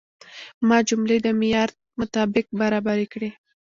ما جملې د معیار مطابق برابرې کړې.